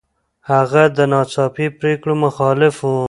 هغه د ناڅاپي پرېکړو مخالف و.